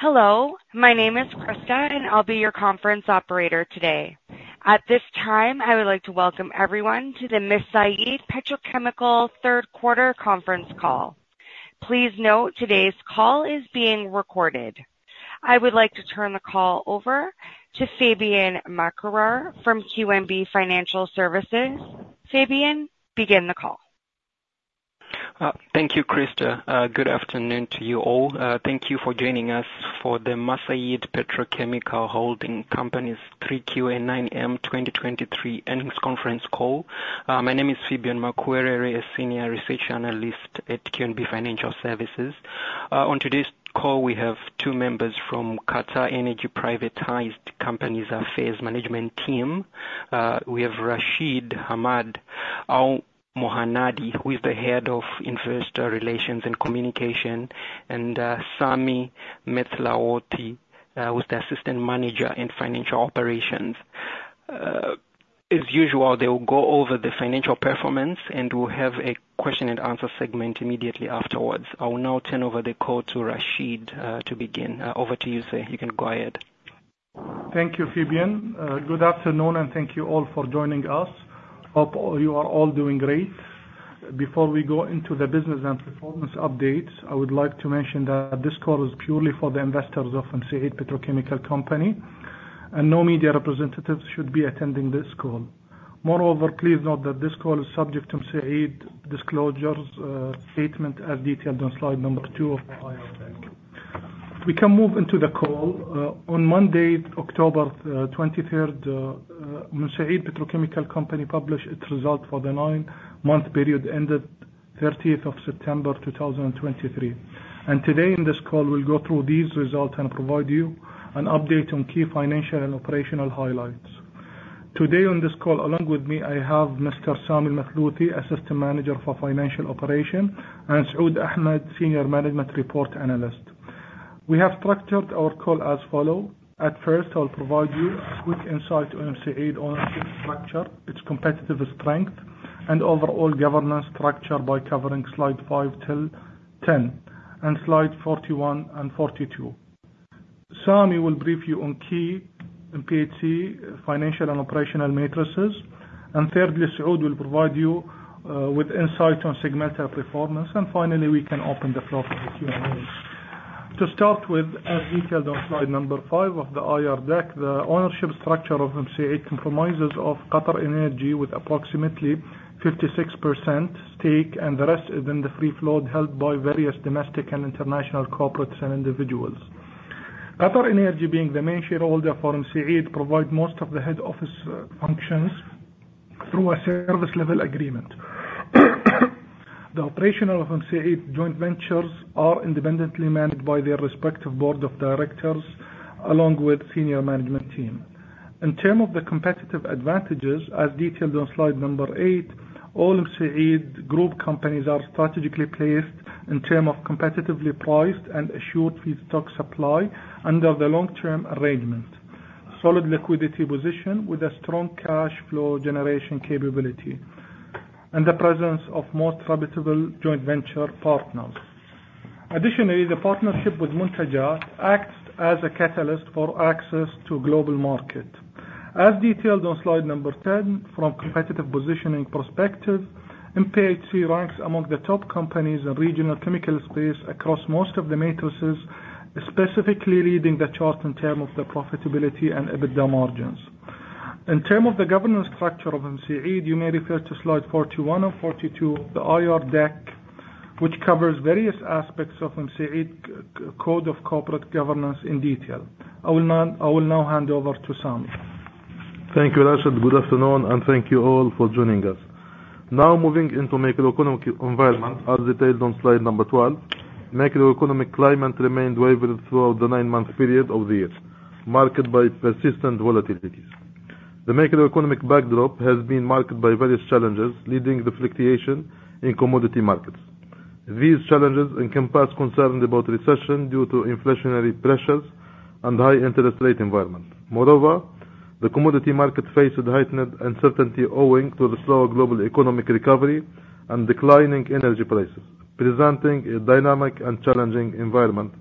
Hello, my name is Krista, and I'll be your conference operator today. At this time, I would like to welcome everyone to the Mesaieed Petrochemical third quarter conference call. Please note today's call is being recorded. I would like to turn the call over to Phibion Makuwerere from QNB Financial Services. Phibion, begin the call. Thank you, Krista. Good afternoon to you all. Thank you for joining us for the Mesaieed Petrochemical Holding Company's 3Q and 9M 2023 earnings conference call. My name is Phibion Makuwerere, a Senior Research Analyst at QNB Financial Services. On today's call, we have two members from QatarEnergy Privatized Companies Affairs management team. We have Rashid Hamad Al-Mohannadi, who is the Head of Investor Relations and Communications, and Sami Mathlouthi, who is the Assistant Manager, Financial Operations. As usual, they will go over the financial performance, and we'll have a question and answer segment immediately afterwards. I will now turn over the call to Rashid to begin. Over to you, sir. You can go ahead. Thank you, Phibion. Good afternoon, and thank you all for joining us. Hope you are all doing great. Before we go into the business and performance updates, I would like to mention that this call is purely for the investors of Mesaieed Petrochemical Company, and no media representatives should be attending this call. Moreover, please note that this call is subject to Mesaieed disclosures, statement as detailed on slide number two of our IR deck. We can move into the call. On Monday, October 23rd, Mesaieed Petrochemical Company published its results for the nine-month period ended 30th of September 2023. Today in this call, we'll go through these results and provide you an update on key financial and operational highlights. Today on this call, along with me, I have Mr. Sami Mathlouthi, Assistant Manager, Financial Operations, and Saud Ahmed, Senior Management Report Analyst. We have structured our call as follow. At first, I'll provide you a quick insight on Mesaieed ownership structure, its competitive strength, and overall governance structure by covering slide five till 10, and slide 41 and 42. Sami will brief you on key MPHC financial and operational metrics. Thirdly, Saud will provide you with insight on segmental performance. Finally, we can open the floor for Q&A. To start with, as detailed on slide number five of the IR deck, the ownership structure of Mesaieed comprises of QatarEnergy with approximately 56% stake, and the rest is in the free float held by various domestic and international corporates and individuals. QatarEnergy, being the main shareholder for Mesaieed, provide most of the head office functions through a service level agreement. The operations of Mesaieed joint ventures are independently managed by their respective board of directors, along with senior management team. In terms of the competitive advantages, as detailed on slide number eight, all Mesaieed group companies are strategically placed in terms of competitively priced and assured feedstock supply under the long-term arrangement. Solid liquidity position with a strong cash flow generation capability. The presence of most profitable joint venture partners. Additionally, the partnership with Muntajat acts as a catalyst for access to global market. As detailed on slide 10, from competitive positioning perspective, MPHC ranks among the top companies in regional chemical space across most of the matrices, specifically leading the chart in terms of the profitability and EBITDA margins. Thank you, Rashid. In terms of the governance structure of Mesaieed, you may refer to slide 41 and 42 of the IR deck, which covers various aspects of Mesaieed Code of Corporate Governance in detail. I will now hand over to Sami. Thank you, Rashid. Good afternoon, and thank you all for joining us. Moving into macroeconomic environment, as detailed on slide 12. Macroeconomic climate remained wavered throughout the nine-month period of the year, marked by persistent volatilities. The macroeconomic backdrop has been marked by various challenges, leading to fluctuations in commodity markets. These challenges encompass concerns about recession due to inflationary pressures and high interest rate environment. The commodity market faced heightened uncertainty owing to the slower global economic recovery and declining energy prices, presenting a dynamic and challenging environment.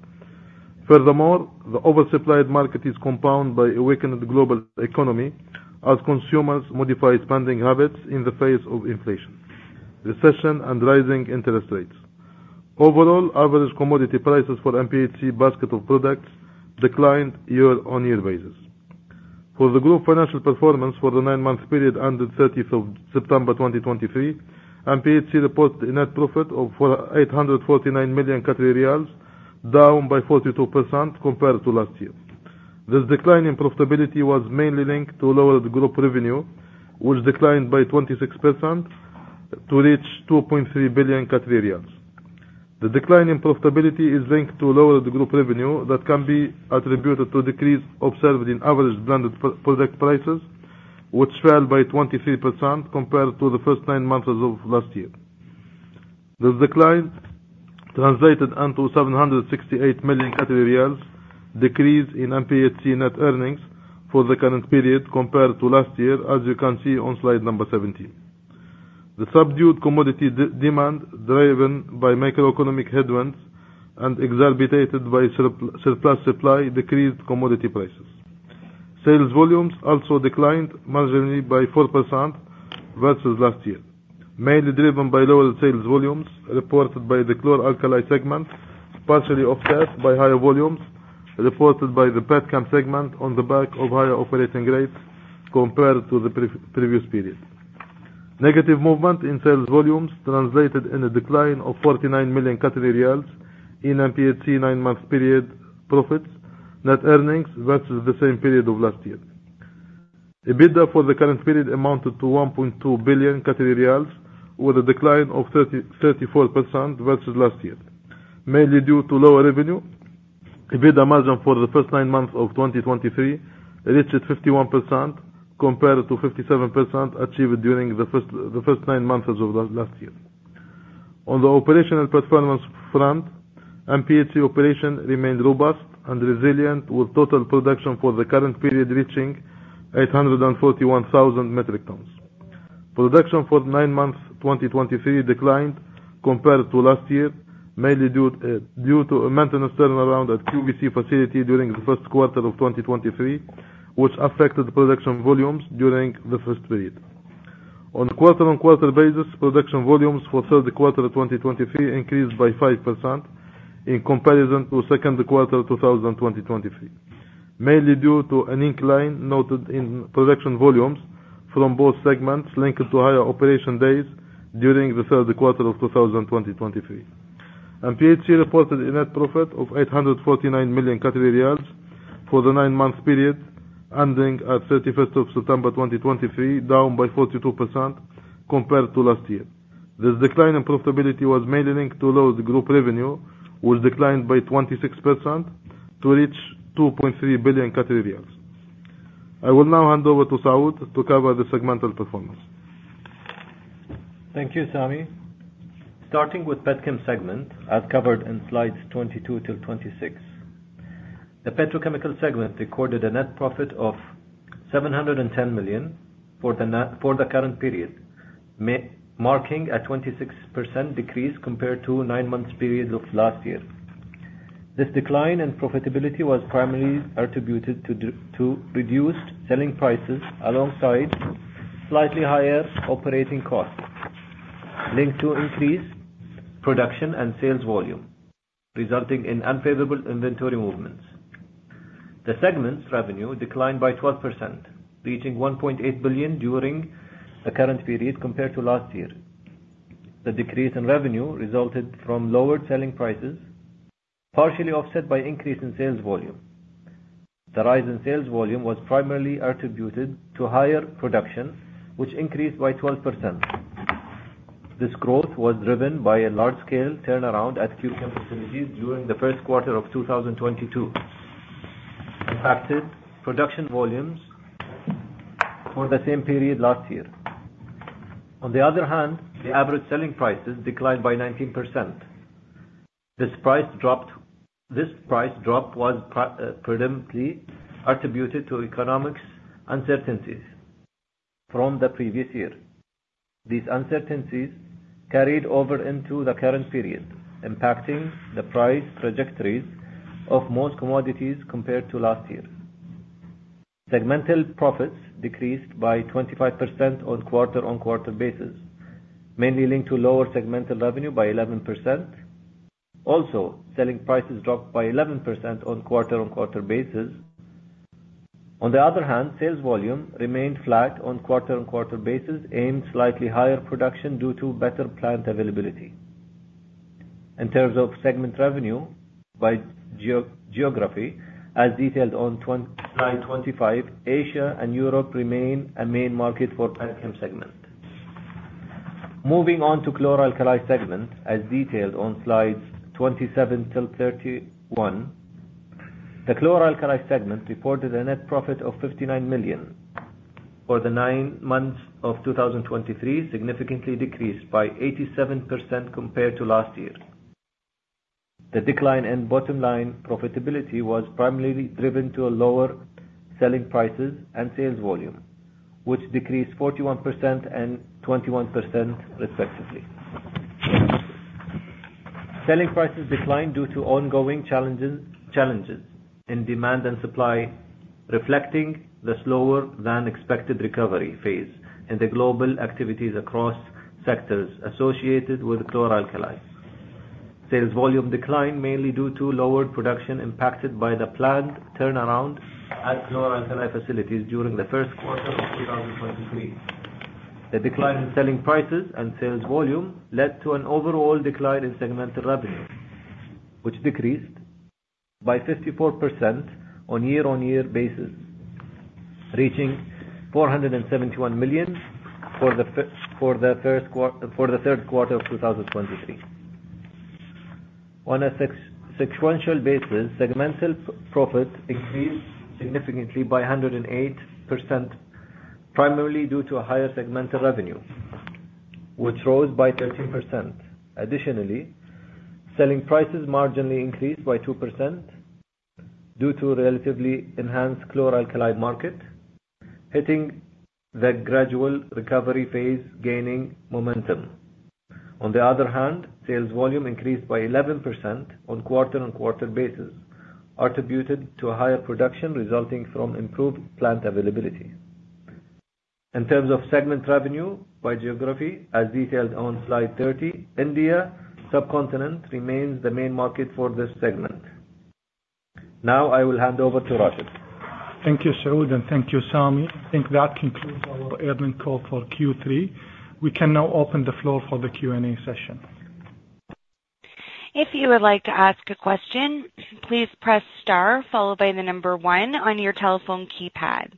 The oversupplied market is compounded by a weakened global economy as consumers modify spending habits in the face of inflation, recession, and rising interest rates. Overall, average commodity prices for MPHC basket of products declined year-on-year basis. For the group financial performance for the nine-month period ended 30th of September 2023, MPHC reported a net profit of 849 million Qatari riyals, down by 42% compared to last year. This decline in profitability was mainly linked to lower group revenue, which declined by 26% to reach 2.3 billion Qatari riyals. The decline in profitability is linked to lower group revenue that can be attributed to decrease observed in average blended product prices, which fell by 23% compared to the first nine months of last year. This decline translated into 768 million decrease in MPHC net earnings for the current period compared to last year, as you can see on slide 17. The subdued commodity demand, driven by macroeconomic headwinds and exacerbated by surplus supply, decreased commodity prices. Sales volumes also declined marginally by 4% versus last year, mainly driven by lower sales volumes reported by the Chlor-alkali segment, partially offset by higher volumes reported by the Petchem segment on the back of higher operating rates compared to the previous period. Negative movement in sales volumes translated into a decline of 49 million Qatari riyals in MPHC nine-month period profits net earnings versus the same period of last year. EBITDA for the current period amounted to 1.2 billion Qatari riyals, with a decline of 34% versus last year, mainly due to lower revenue. EBITDA margin for the first nine months of 2023 reached 51%, compared to 57% achieved during the first nine months of last year. On the operational performance front, MPHC operation remained robust and resilient, with total production for the current period reaching 841,000 metric tons. Production for nine months 2023 declined compared to last year, mainly due to a maintenance turnaround at QVC facility during the first quarter of 2023, which affected production volumes during this period. On a quarter-on-quarter basis, production volumes for third quarter 2023 increased by 5% in comparison to second quarter 2023, mainly due to an increase noted in production volumes from both segments linked to higher operation days during the third quarter of 2023. MPHC reported a net profit of 849 million Qatari riyals for the nine-month period ending at 31st of September 2023, down by 42% compared to last year. This decline in profitability was mainly linked to lower group revenue, which declined by 26% to reach 2.3 billion Qatari riyals. I will now hand over to Saud to cover the segmental performance. Thank you, Sami. Starting with Petchem segment, as covered in slides 22 till 26. The petrochemical segment recorded a net profit of 710 million for the current period, marking a 26% decrease compared to nine months period of last year. This decline in profitability was primarily attributed to reduced selling prices alongside slightly higher operating costs, linked to increased production and sales volume, resulting in unfavorable inventory movements. The segment's revenue declined by 12%, reaching 1.8 billion during the current period compared to last year. The decrease in revenue resulted from lower selling prices, partially offset by increase in sales volume. The rise in sales volume was primarily attributed to higher production, which increased by 12%. This growth was driven by a large-scale turnaround at Q-Chem facilities during the first quarter of 2022, impacted production volumes for the same period last year. On the other hand, the average selling prices declined by 19%. This price drop was predominantly attributed to economic uncertainties from the previous year. These uncertainties carried over into the current period, impacting the price trajectories of most commodities compared to last year. Segmental profits decreased by 25% on quarter-on-quarter basis, mainly linked to lower segmental revenue by 11%. Also, selling prices dropped by 11% on quarter-on-quarter basis. On the other hand, sales volume remained flat on quarter-on-quarter basis, and slightly higher production due to better plant availability. In terms of segment revenue by geography, as detailed on slide 25, Asia and Europe remain a main market for Petchem segment. Moving on to Chlor-alkali segment, as detailed on slides 27 till 31. The Chlor-alkali segment reported a net profit of 59 million for the nine months of 2023, significantly decreased by 87% compared to last year. The decline in bottom line profitability was primarily driven to lower selling prices and sales volume, which decreased 41% and 21% respectively. Selling prices declined due to ongoing challenges in demand and supply, reflecting the slower than expected recovery phase in the global activities across sectors associated with Chlor-alkali. Sales volume declined mainly due to lower production impacted by the planned turnaround at Chlor-alkali facilities during the first quarter of 2023. The decline in selling prices and sales volume led to an overall decline in segmental revenue, which decreased by 54% on year-on-year basis, reaching 471 million for the third quarter of 2023. On a sequential basis, segmental profit increased significantly by 108%, primarily due to a higher segmental revenue, which rose by 13%. Additionally, selling prices marginally increased by 2%, due to relatively enhanced Chlor-alkali market, hitting the gradual recovery phase, gaining momentum. On the other hand, sales volume increased by 11% on quarter-on-quarter basis, attributed to a higher production resulting from improved plant availability. In terms of segment revenue by geography, as detailed on slide 30, India subcontinent remains the main market for this segment. Now I will hand over to Rashid. Thank you Saud, and thank you Sami. I think that concludes our earnings call for Q3. We can now open the floor for the Q&A session. If you would like to ask a question, please press star followed by the number 1 on your telephone keypad.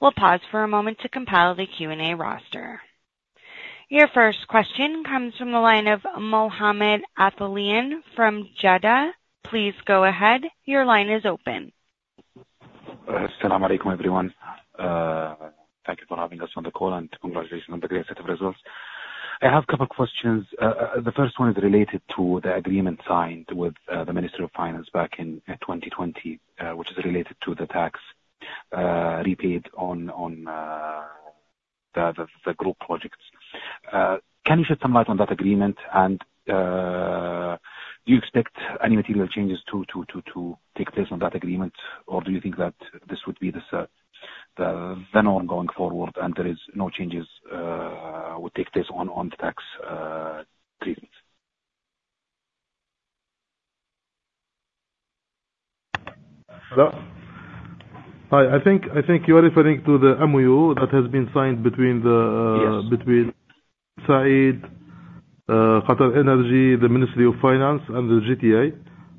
We'll pause for a moment to compile the Q&A roster. Your first question comes from the line of Mohammed Al-Atheran from Jadwa. Please go ahead. Your line is open. Assalamualaikum, everyone. Thank you for having us on the call, and congratulations on the great set of results. I have a couple questions. The first one is related to the agreement signed with the Ministry of Finance back in 2020, which is related to the tax repaid on the group projects. Can you shed some light on that agreement, and do you expect any material changes to take place on that agreement, or do you think that this would be the norm going forward, and there is no changes will take place on the tax treatment? Hello. I think you are referring to the MoU that has been signed between. Yes Mesaieed, QatarEnergy, the Ministry of Finance, and the GTA.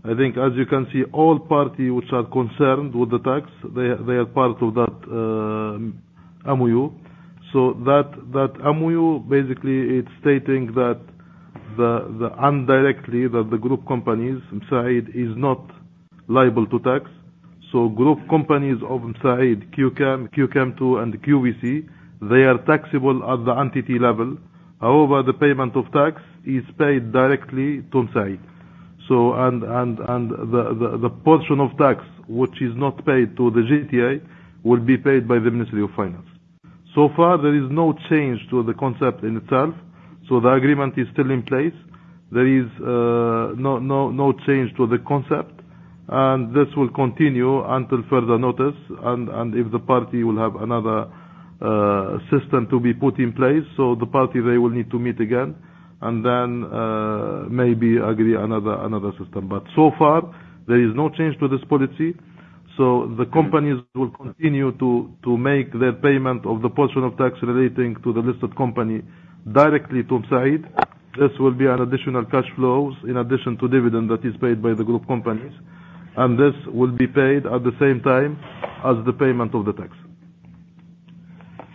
I think, as you can see, all party which are concerned with the tax, they are part of that MoU. That MoU, basically, it's stating that indirectly that the group companies inside is not liable to tax. Group companies of Mesaieed, Q-Chem, Q-Chem II, and Qatar Vinyl Company, they are taxable at the entity level. However, the payment of tax is paid directly to Mesaieed. The portion of tax which is not paid to the GTA will be paid by the Ministry of Finance. So far, there is no change to the concept in itself. The agreement is still in place. There is no change to the concept. This will continue until further notice, and if the party will have another system to be put in place, so the party, they will need to meet again, and then maybe agree another system. So far, there is no change to this policy, so the companies will continue to make their payment of the portion of tax relating to the listed company directly to Mesaieed. This will be an additional cash flows in addition to dividend that is paid by the group companies, and this will be paid at the same time as the payment of the tax.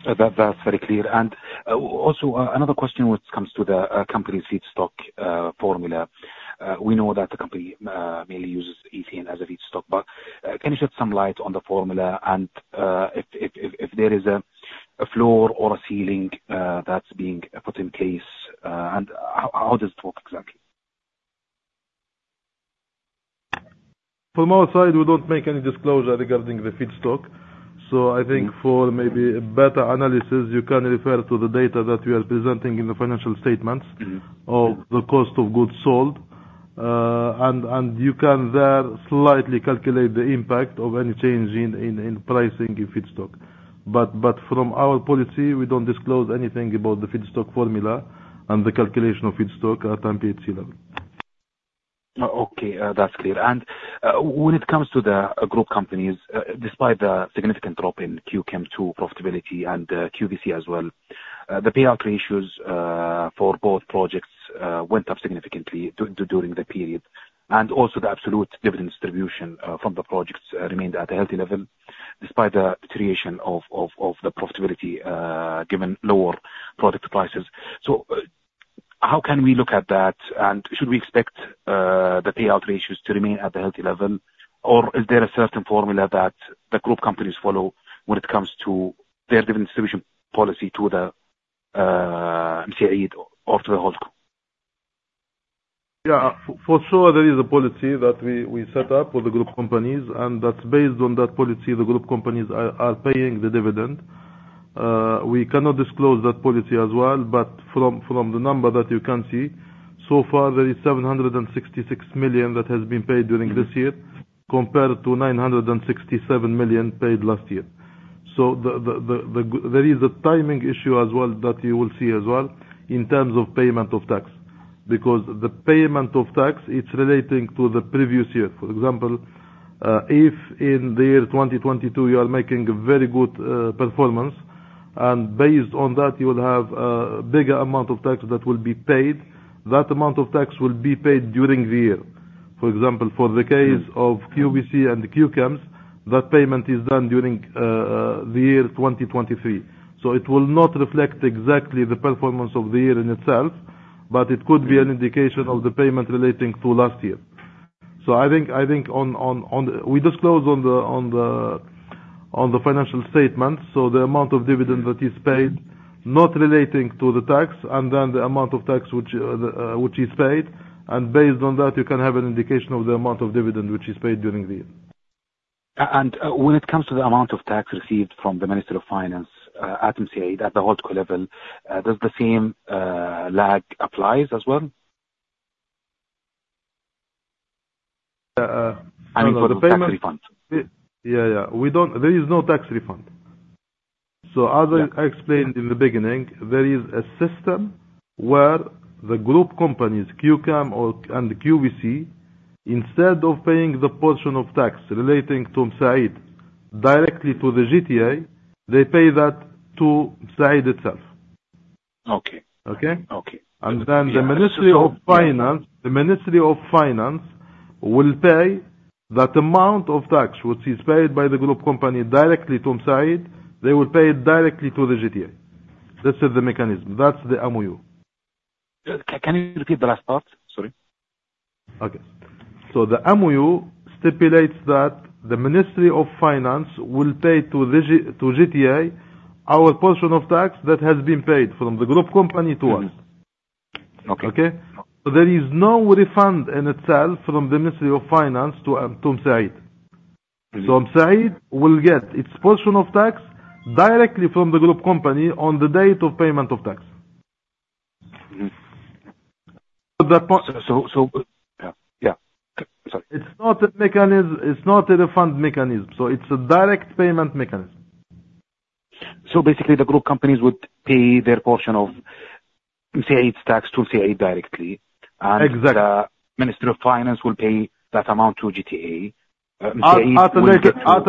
That's very clear. Also, another question which comes to the company's feedstock formula. We know that the company mainly uses ethane as a feedstock, but can you shed some light on the formula, and if there is a floor or a ceiling that's being put in place, and how does it work exactly? From our side, we don't make any disclosure regarding the feedstock. I think for maybe a better analysis, you can refer to the data that we are presenting in the financial statements of the cost of goods sold. You can there slightly calculate the impact of any change in pricing in feedstock. From our policy, we don't disclose anything about the feedstock formula and the calculation of feedstock at MPHC level. Okay, that's clear. When it comes to the group companies, despite the significant drop in Q-Chem II profitability and QVC as well, the payout ratios for both projects went up significantly during the period, and also the absolute dividend distribution from the projects remained at a healthy level despite the deterioration of the profitability, given lower product prices. How can we look at that, and should we expect the payout ratios to remain at the healthy level, or is there a certain formula that the group companies follow when it comes to their dividend distribution policy to the Mesaieed of the whole group? Yeah. For sure, there is a policy that we set up for the group companies, and that based on that policy, the group companies are paying the dividend. We cannot disclose that policy as well, but from the number that you can see, so far, there is 766 million that has been paid during this year compared to 967 million paid last year. There is a timing issue as well that you will see as well in terms of payment of tax, because the payment of tax, it's relating to the previous year. For example, if in the year 2022, you are making a very good performance, and based on that, you will have a bigger amount of tax that will be paid, that amount of tax will be paid during the year. For example, for the case of Qatar Vinyl Company and Q-Chem's, that payment is done during the year 2023. It will not reflect exactly the performance of the year in itself, but it could be an indication of the payment relating to last year. I think we disclose on the financial statement. The amount of dividend that is paid, not relating to the tax, and then the amount of tax which is paid, and based on that, you can have an indication of the amount of dividend which is paid during the year. When it comes to the amount of tax received from the Ministry of Finance at Mesaieed, at the holdco level, does the same lag applies as well? No. I mean for the tax refund. Yeah. There is no tax refund. As I explained in the beginning, there is a system where the group companies, Q-Chem and Qatar Vinyl Company, instead of paying the portion of tax relating to Mesaieed directly to the General Tax Authority, they pay that to Mesaieed itself. Okay. Okay? Okay. The Ministry of Finance will pay that amount of tax, which is paid by the group company directly to Mesaieed, they will pay it directly to the GTA. This is the mechanism. That's the MOU. Can you repeat the last part? Sorry. Okay. The MOU stipulates that the Ministry of Finance will pay to GTA our portion of tax that has been paid from the group company to us. Mm-hmm. Okay. There is no refund in itself from the Ministry of Finance to Mesaieed. Mesaieed will get its portion of tax directly from the group company on the date of payment of tax. Sorry. It's not a refund mechanism, so it's a direct payment mechanism. Basically the group companies would pay their portion of Mesaieed's tax to Mesaieed directly. Exactly. The Ministry of Finance will pay that amount to GTA. Mesaieed will get. At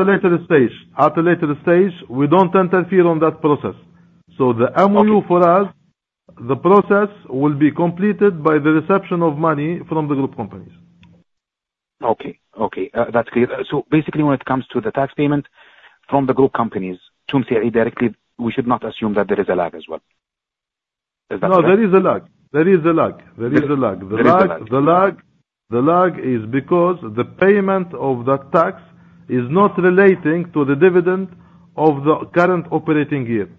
a later stage. We don't interfere on that process. The MOU for us, the process will be completed by the reception of money from the group companies. Okay. That's clear. Basically when it comes to the tax payment from the group companies to Mesaieed directly, we should not assume that there is a lag as well. Is that correct? No, there is a lag. There is a lag. There is a lag. The lag is because the payment of that tax is not relating to the dividend of the current operating year.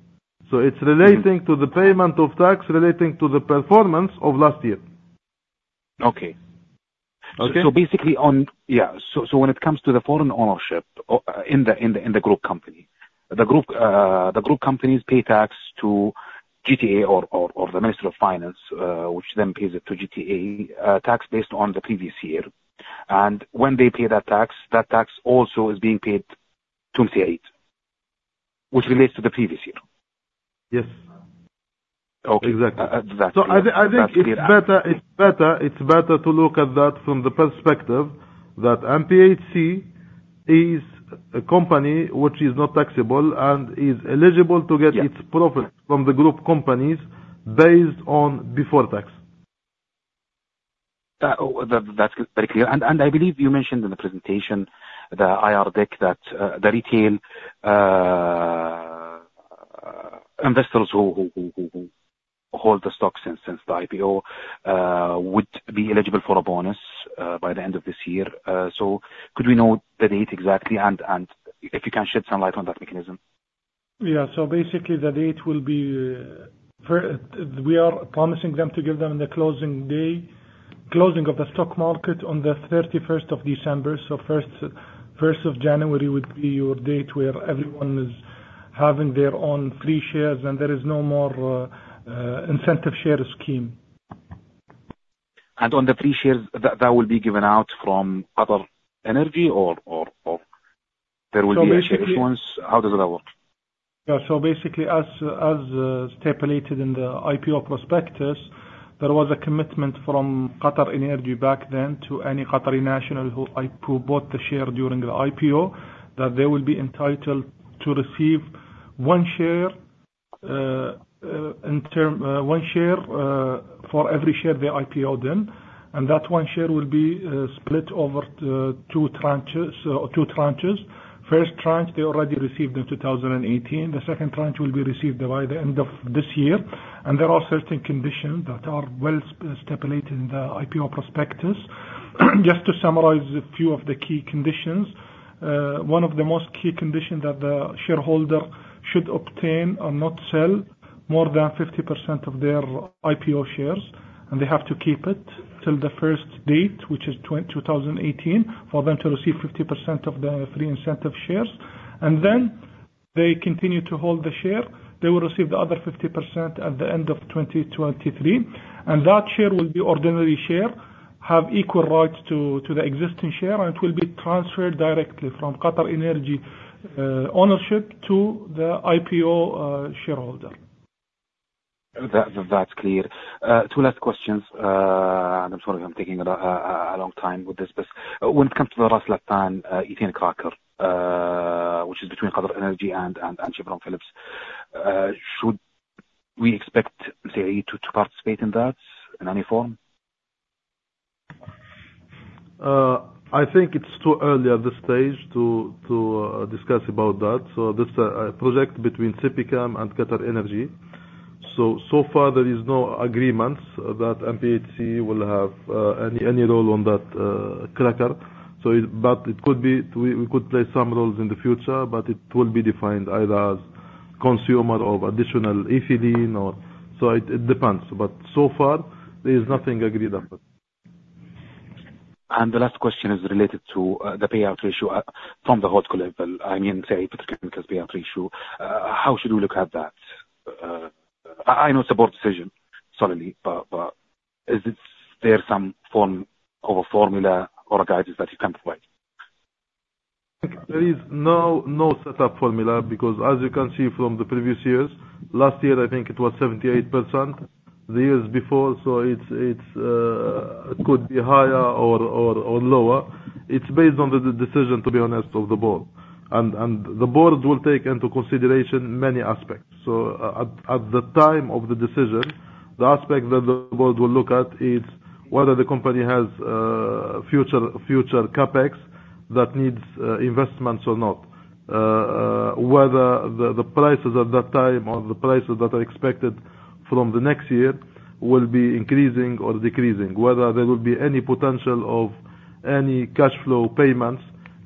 It's relating to the payment of tax relating to the performance of last year. Okay. Okay? When it comes to the foreign ownership in the group company. The group company pay tax to GTA or the Ministry of Finance, which then pays it to GTA, tax based on the previous year. When they pay that tax, that tax also is being paid to Mesaieed, which relates to the previous year. Yes. Okay. Exactly. Exactly. I think it's better to look at that from the perspective that MPHC is a company which is not taxable and is eligible to get its profit from the group companies based on before tax. That's very clear. I believe you mentioned in the presentation, the IR deck, that retail investors who hold the stocks since the IPO, would be eligible for a bonus, by the end of this year. Could we know the date exactly and if you can shed some light on that mechanism? Basically the date will be, we are promising them to give them the closing day, closing of the stock market on the 31st of December. 1st of January would be your date where everyone is having their own free shares and there is no more incentive share scheme. On the free shares, that will be given out from QatarEnergy or there will be a issuance? How does that work? Basically as stipulated in the IPO prospectus, there was a commitment from QatarEnergy back then to any Qatari national who bought the share during the IPO, that they will be entitled to receive one share for every share they IPO then, and that one share will be split over two tranches. First tranche, they already received in 2018. The second tranche will be received by the end of this year. There are certain conditions that are well stipulated in the IPO prospectus. Just to summarize a few of the key conditions. One of the most key condition that the shareholder should obtain or not sell more than 50% of their IPO shares. They have to keep it till the first date, which is 2018, for them to receive 50% of the free incentive shares. Then they continue to hold the share. They will receive the other 50% at the end of 2023, and that share will be ordinary share, have equal rights to the existing share, and it will be transferred directly from QatarEnergy ownership to the IPO shareholder. That's clear. Two last questions, I'm sorry if I'm taking a long time with this, when it comes to the Ras Laffan Ethane Cracker, which is between QatarEnergy and Chevron Phillips, should we expect Mesaieed to participate in that in any form? I think it's too early at this stage to discuss about that. This project between CPChem and QatarEnergy. So far there is no agreements that MPHC will have any role on that cracker. We could play some roles in the future, but it will be defined either as consumer of additional ethane or it depends. So far, there is nothing agreed upon. The last question is related to the payout ratio from the level. I mean, say, petrochemical payout ratio. How should we look at that? I know it's a board decision, certainly, is there some form of a formula or a guidance that you can provide? There is no set up formula because as you can see from the previous years, last year, I think it was 78%. The years before, it could be higher or lower. It's based on the decision, to be honest, of the board. The board will take into consideration many aspects. At the time of the decision, the aspect that the board will look at is whether the company has future CapEx that needs investments or not. Whether the prices at that time or the prices that are expected from the next year will be increasing or decreasing. Whether there will be any potential of any cash flow payments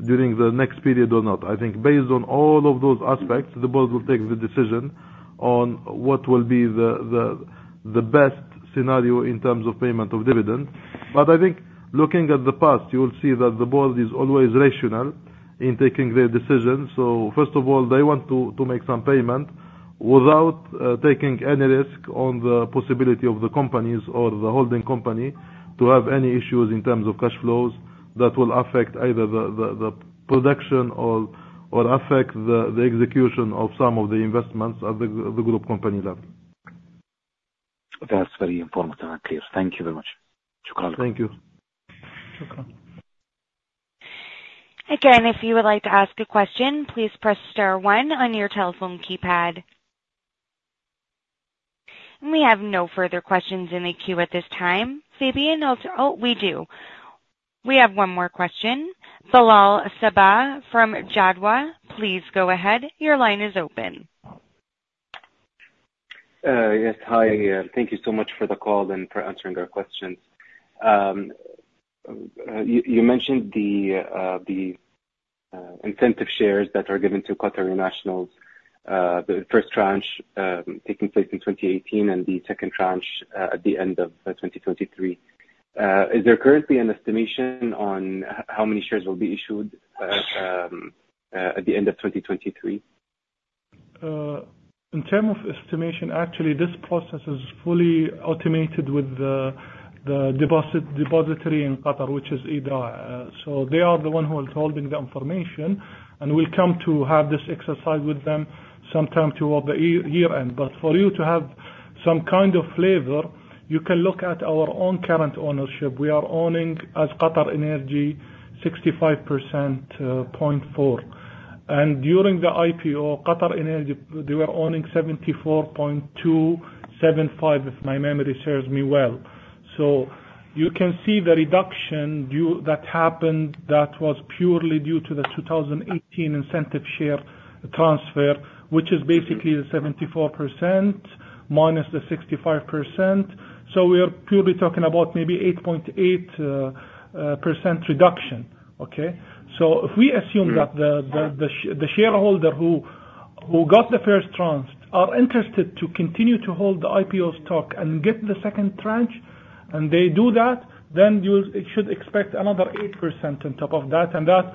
during the next period or not. Based on all of those aspects, the board will take the decision on what will be the best scenario in terms of payment of dividend. I think looking at the past, you will see that the board is always rational in taking their decisions. First of all, they want to make some payment without taking any risk on the possibility of the companies or the holding company to have any issues in terms of cash flows that will affect either the production or affect the execution of some of the investments at the group company level. That's very important and clear. Thank you very much. Thank you. Thank you. Again, if you would like to ask a question, please press star one on your telephone keypad. We have no further questions in the queue at this time. Phibion, Oh, we do. We have one more question. Bilal Sabbah from Jadwa. Please go ahead. Your line is open. Yes. Hi. Thank you so much for the call and for answering our questions. You mentioned the incentive shares that are given to Qatari nationals, the first tranche taking place in 2018 and the second tranche at the end of 2023. Is there currently an estimation on how many shares will be issued at the end of 2023? In term of estimation, actually, this process is fully automated with the depository in Qatar, which is Edaa. They are the one who is holding the information, and we'll come to have this exercise with them sometime toward the year-end. But for you to have some kind of flavor, you can look at our own current ownership. We are owning, as QatarEnergy, 65.4%. During the IPO, QatarEnergy, they were owning 74.275, if my memory serves me well. You can see the reduction that happened, that was purely due to the 2018 incentive share transfer, which is basically the 74% minus the 65%. We are purely talking about maybe 8.8% reduction. Okay? If we assume that the shareholder who got the first tranche are interested to continue to hold the IPO stock and get the second tranche, and they do that, then you should expect another 8% on top of that. That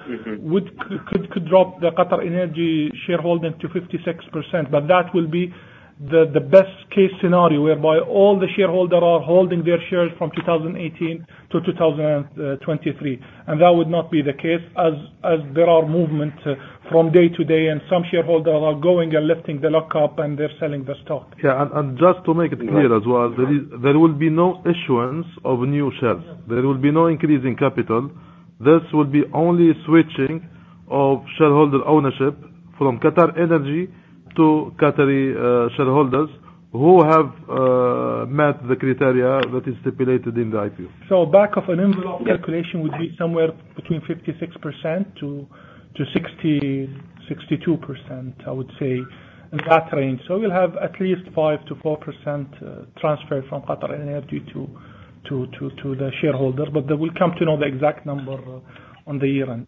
could drop the QatarEnergy shareholding to 56%. That will be the best-case scenario, whereby all the shareholder are holding their shares from 2018 to 2023. That would not be the case as there are movement from day to day, and some shareholders are going and lifting the lockup, and they're selling the stock. Just to make it clear as well, there will be no issuance of new shares. There will be no increase in capital. This will be only switching of shareholder ownership from QatarEnergy to Qatari shareholders who have met the criteria that is stipulated in the IPO. Back of an envelope calculation would be somewhere between 56% to 62%, I would say, in that range. We'll have at least 5% to 4% transfer from QatarEnergy to the shareholder, but we will come to know the exact number on the year-end.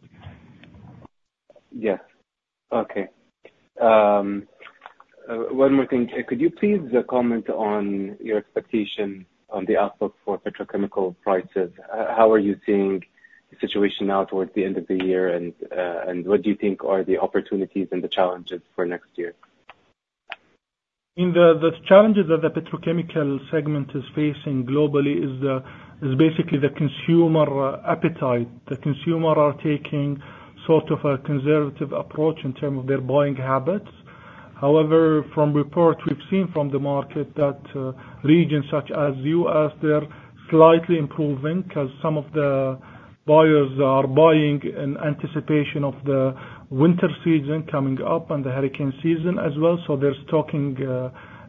One more thing. Could you please comment on your expectation on the outlook for petrochemical prices? How are you seeing the situation now towards the end of the year, and what do you think are the opportunities and the challenges for next year? The challenges that the petrochemical segment is facing globally is basically the consumer appetite. The consumer are taking sort of a conservative approach in term of their buying habits. However, from reports we've seen from the market that regions such as U.S., they're slightly improving because some of the buyers are buying in anticipation of the winter season coming up and the hurricane season as well. They're stocking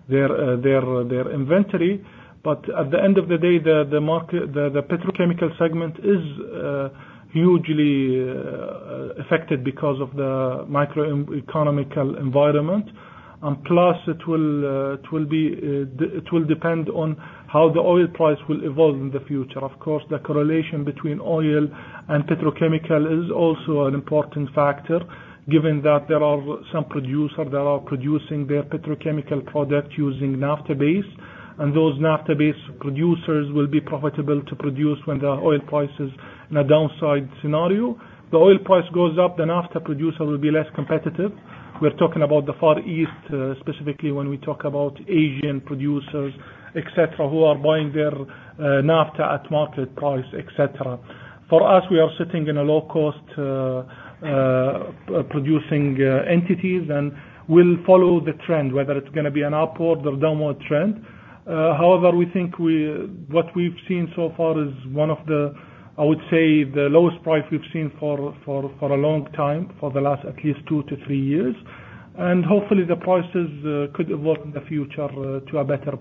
their inventory. At the end of the day, the petrochemical segment is hugely affected because of the macroeconomic environment. Plus, it will depend on how the oil price will evolve in the future. Of course, the correlation between oil and petrochemical is also an important factor, given that there are some producers that are producing their petrochemical product using naphtha base, and those naphtha base producers will be profitable to produce when the oil price is in a downside scenario. If the oil price goes up, the naphtha producer will be less competitive. We're talking about the Far East, specifically when we talk about Asian producers, et cetera, who are buying their naphtha at market price, et cetera. For us, we are sitting in a low-cost producing entities and we'll follow the trend, whether it's going to be an upward or downward trend. However, we think what we've seen so far is one of the, I would say, the lowest price we've seen for a long time, for the last at least two to three years. Hopefully the prices could evolve in the future to a better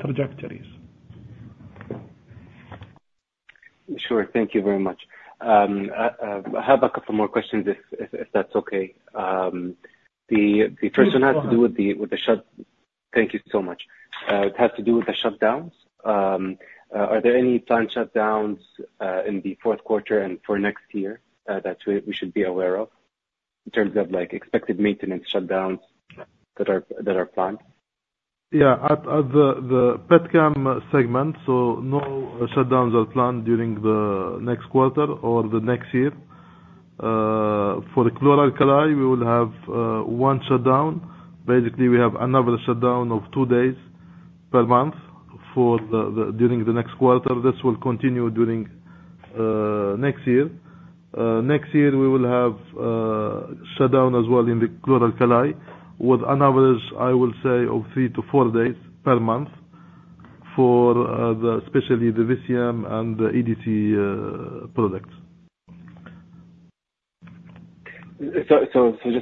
trajectories. Sure. Thank you very much. I have a couple more questions if that's okay. The first- Please, go ahead. Thank you so much. It has to do with the shutdowns. Are there any planned shutdowns in the fourth quarter and for next year that we should be aware of, in terms of expected maintenance shutdowns that are planned? Yeah. At the petchem segment. No shutdowns are planned during the next quarter or the next year. For the chlor-alkali, we will have one shutdown. Basically, we have another shutdown of two days per month during the next quarter. This will continue during next year. Next year we will have shutdown as well in the chlor-alkali with an average, I will say, of three to four days per month for especially the VCM and the EDC products. Just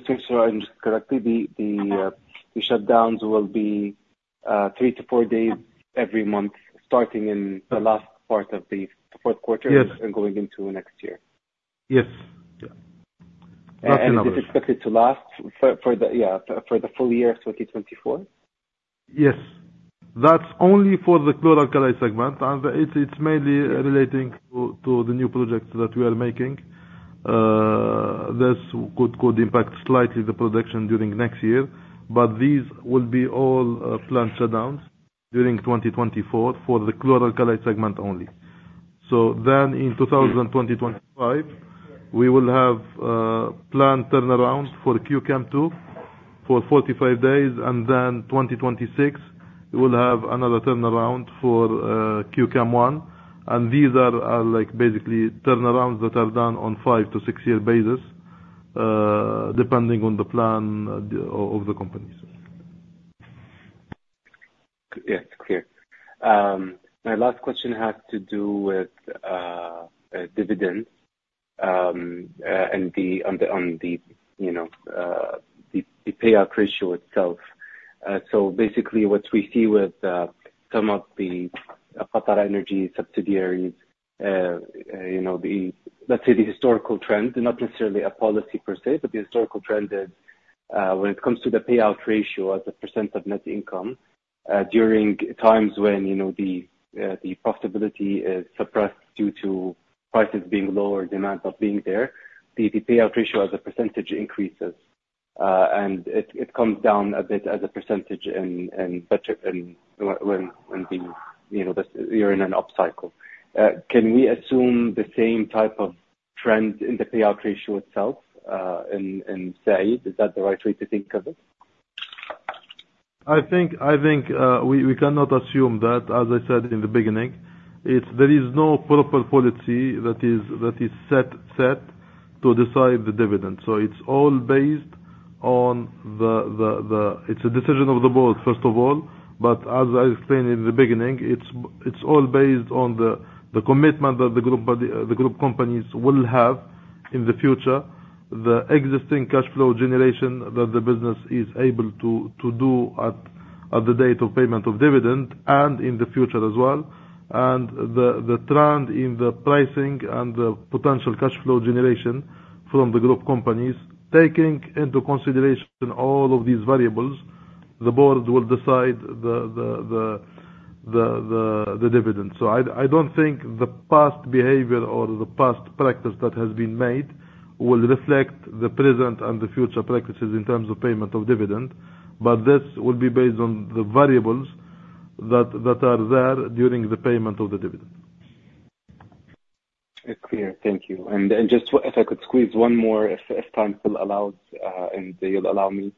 to ensure I understood correctly, the shutdowns will be three to four days every month starting in the last part of the fourth quarter. Yes going into next year. Yes. This is expected to last for the full year 2024? Yes. That's only for the Chlor-alkali segment, it's mainly relating to the new projects that we are making. This could impact slightly the production during next year. These will be all planned shutdowns during 2024 for the Chlor-alkali segment only. In 2025, we will have a planned turnaround for Q-Chem II for 45 days, 2026, we will have another turnaround for Q-Chem I. These are basically turnarounds that are done on five to six year basis, depending on the plan of the companies. Yes. Clear. My last question has to do with dividends on the payout ratio itself. What we see with some of the QatarEnergy subsidiaries, let's say the historical trend, not necessarily a policy per se, but the historical trend is when it comes to the payout ratio as a % of net income, during times when the profitability is suppressed due to prices being low or demand not being there, the payout ratio as a percentage increases. It comes down a bit as a percentage when you're in an upcycle. Can we assume the same type of trend in the payout ratio itself in Mesaieed? Is that the right way to think of it? I think we cannot assume that. As I said in the beginning, there is no proper policy that is set to decide the dividend. It's a decision of the board, first of all. As I explained in the beginning, it's all based on the commitment that the group companies will have in the future, the existing cash flow generation that the business is able to do at the date of payment of dividend and in the future as well. The trend in the pricing and the potential cash flow generation from the group companies. Taking into consideration all of these variables, the board will decide the dividend. I don't think the past behavior or the past practice that has been made will reflect the present and the future practices in terms of payment of dividend. This will be based on the variables that are there during the payment of the dividend. Clear. Thank you. Just if I could squeeze one more, if time still allows, and you'll allow me.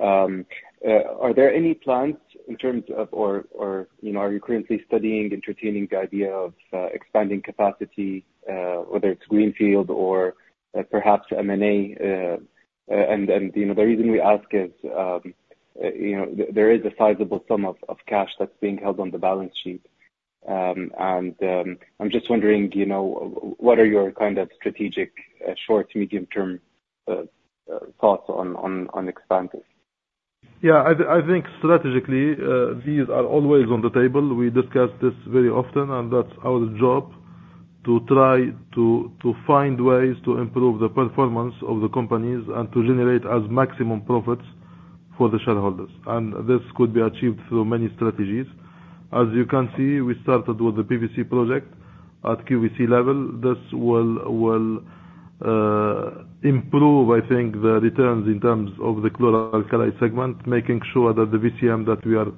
Are there any plans in terms of, or are you currently studying, entertaining the idea of expanding capacity, whether it's greenfield or perhaps M&A? The reason we ask is, there is a sizable sum of cash that's being held on the balance sheet. I'm just wondering, what are your strategic short to medium term thoughts on expanding? I think strategically, these are always on the table. We discuss this very often, and that's our job To try to find ways to improve the performance of the companies and to generate as maximum profits for the shareholders. This could be achieved through many strategies. As you can see, we started with the PVC project at QVC level. This will improve, I think, the returns in terms of the Chlor-alkali segment, making sure that the VCM that we are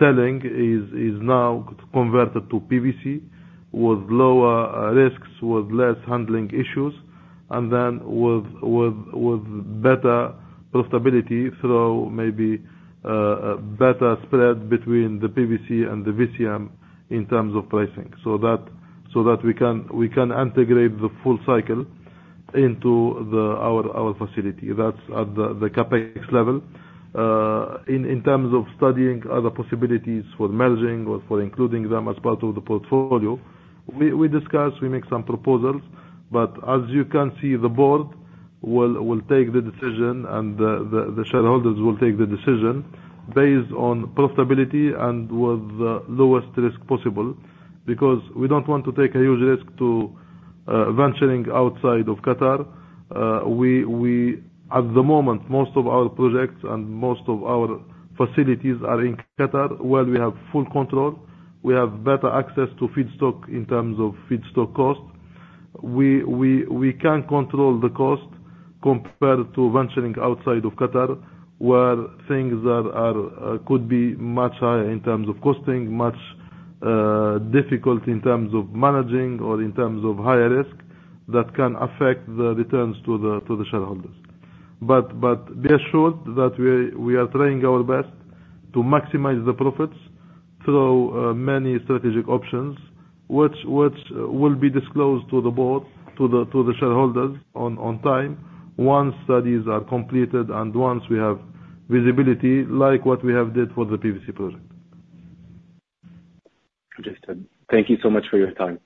selling is now converted to PVC with lower risks, with less handling issues, and then with better profitability through maybe a better spread between the PVC and the VCM in terms of pricing. That we can integrate the full cycle into our facility. That's at the CapEx level. In terms of studying other possibilities for merging or for including them as part of the portfolio, we discuss, we make some proposals. But as you can see, the board will take the decision and the shareholders will take the decision based on profitability and with the lowest risk possible. Because we don't want to take a huge risk to venturing outside of Qatar. At the moment, most of our projects and most of our facilities are in Qatar, where we have full control. We have better access to feedstock in terms of feedstock cost. We can control the cost compared to venturing outside of Qatar, where things could be much higher in terms of costing, much difficult in terms of managing or in terms of higher risk that can affect the returns to the shareholders. Be assured that we are trying our best to maximize the profits through many strategic options, which will be disclosed to the board, to the shareholders on time once studies are completed and once we have visibility, like what we have did for the PVC project. Understood. Thank you so much for your time.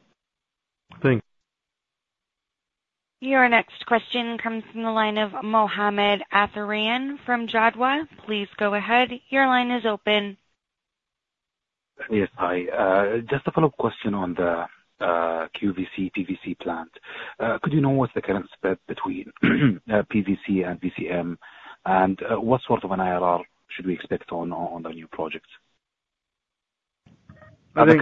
Thank you. Your next question comes from the line of Mohammed Al-Atheran from Jadwa. Please go ahead. Your line is open. Yes. Hi. Just a follow-up question on the QVC PVC plant. Could you know what's the current spread between PVC and VCM, and what sort of an IRR should we expect on the new projects? I think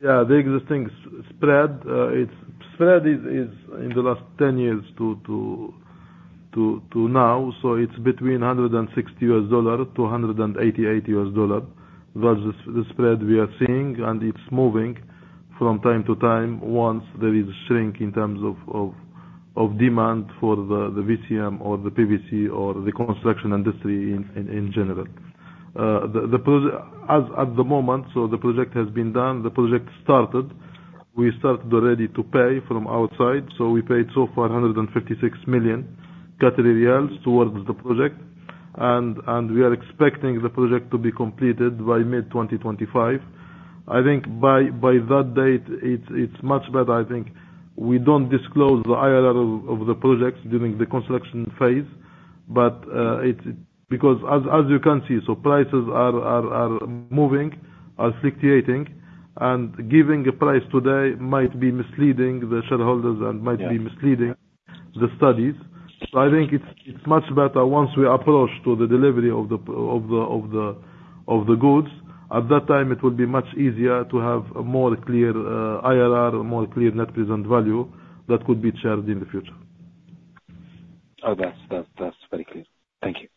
the existing spread is in the last 10 years to now. It's between QAR 160 to QAR 188 versus the spread we are seeing. It's moving from time to time once there is shrink in terms of demand for the VCM or the PVC or the construction industry in general. At the moment, so the project has been done. The project started. We started ready to pay from outside. We paid so far 156 million Qatari riyals towards the project, and we are expecting the project to be completed by mid-2025. I think by that date, it's much better. I think we don't disclose the IRR of the projects during the construction phase, because as you can see, so prices are moving, are fluctuating, and giving a price today might be misleading the shareholders and might be misleading the studies. I think it's much better once we approach to the delivery of the goods. At that time, it will be much easier to have a more clear IRR, a more clear net present value that could be shared in the future. Oh, that's very clear. Thank you.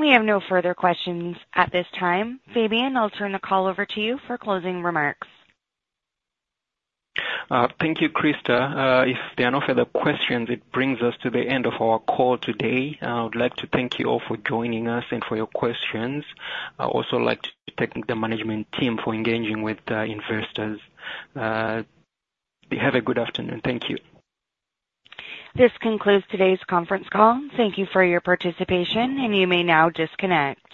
We have no further questions at this time. Phibion, I'll turn the call over to you for closing remarks. Thank you, Krista. If there are no further questions, it brings us to the end of our call today. I would like to thank you all for joining us and for your questions. I also like to thank the management team for engaging with the investors. Have a good afternoon. Thank you. This concludes today's conference call. Thank you for your participation, and you may now disconnect.